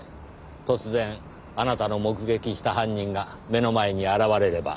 突然あなたの目撃した犯人が目の前に現れれば。